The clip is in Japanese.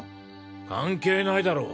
関係ないだろう。